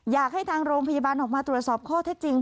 อยากให้ทางโรงพยาบาลออกมาตรวจสอบข้อเท็จจริง